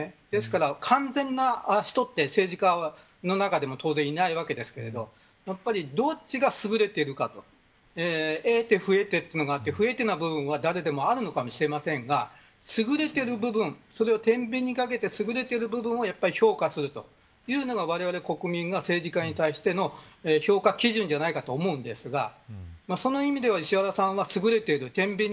ですから完全な人って政治家の中では当然いないわけですけどやはり、どっちがすぐれているか得手不得手があって、不得手な部分は誰でもあるかもしれませんがすぐれている部分それを、てんびんにかけてすぐれている部分を評価するというのが、われわれ国民の政治家に対しての評価基準じゃないかと思うんですがその意味では、石原さんはすぐれている。